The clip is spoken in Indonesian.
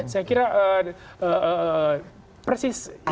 saya kira persis ini